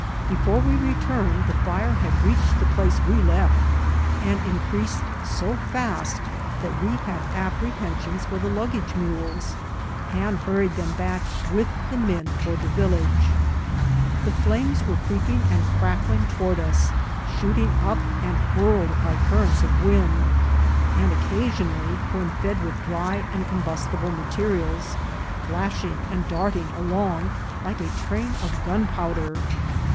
Before we returned the fire had reached the place we left, and increased so fast that we had apprehensions for the luggage mules, and hurried them back with the men toward the village. The flames came creeping and crackling toward us, shooting up and whirled by currents of wind, and occasionally, when fed with dry and combustible materials, flashing and darting along like a train of gunpowder.